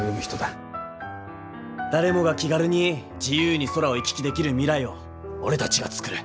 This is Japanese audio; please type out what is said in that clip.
誰もが気軽に自由に空を行き来できる未来を俺たちが作る。